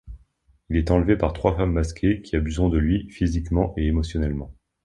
Il est enlevé par trois femmes masquées qui abuseront de lui physiquement et émotionnellement.